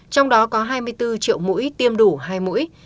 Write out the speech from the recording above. trong đó có hai mươi bốn triệu mũi tiêm đủ hai mũi